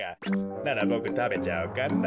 ならボクたべちゃおうかな。